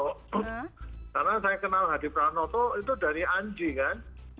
karena saya kenal hadi pranoto itu dari anji kan